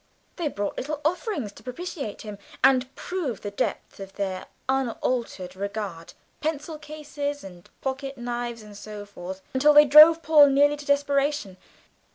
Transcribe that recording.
They brought little offerings to propitiate him and prove the depth of their unaltered regard pencil cases and pocket knives, and so forth, until they drove Paul nearly to desperation.